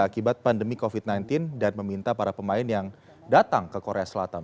akibat pandemi covid sembilan belas dan meminta para pemain yang datang ke korea selatan